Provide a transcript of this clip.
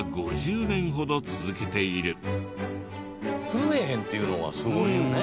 震えへんっていうのがすごいよね。